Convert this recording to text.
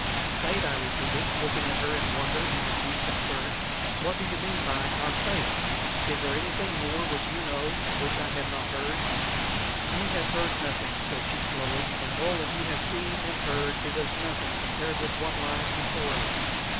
"Fate!" I repeated, looking at her in wonder and in deep concern. "What do you mean by our fate? Is there anything more which you know and which I have not heard?" "You have heard nothing," said she, slowly; "and all that you have seen and heard is as nothing compared with what lies before us.